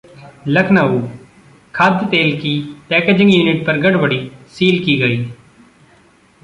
लखनऊ: खाद्य तेल की पैकेजिंग यूनिट पर गड़बड़ी, सील की गई